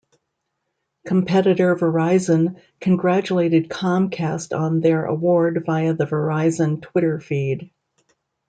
Competitor Verizon congratulated Comcast on their award via the Verizon Twitter feed.